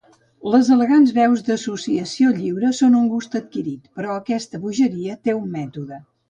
Les elegants veus d'associació lliure són un gust adquirit, però aquesta bogeria té un mètode.